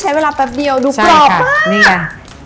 ใช้เวลาแป๊บเดียวดูปรอบมาก